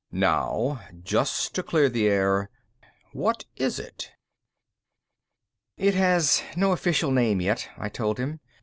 "Now, just to clear the air, what is it?" "It has no official name yet," I told him.